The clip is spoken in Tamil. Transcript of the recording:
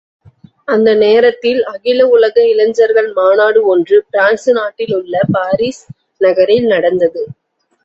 அந்த நேரத்தில், அகில உலக இளைஞர்கள் மாநாடு ஒன்று பிரான்சு நாட்டிலுள்ள பாரிஸ் நகரில் நடந்தது.